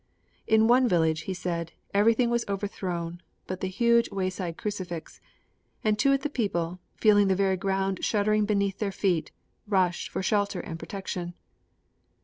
In one village, he said, everything was overthrown but the huge way side crucifix, and to it the people, feeling the very ground shuddering beneath their feet, rushed for shelter and protection.